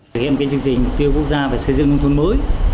việc kiểm tra chương trình mục tiêu quốc gia về xây dựng nông thuận mới